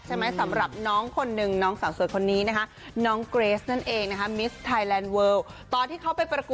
ใช้ว่าน้องน้องเป็นหรือไอ